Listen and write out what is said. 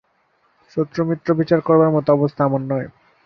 শত্রুমিত্র বিচার করবার মতো অবস্থা আমার নয়।